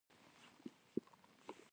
ښکلی کمپيوټر دی؛ د ګوتې د اېښول ځای نه لري.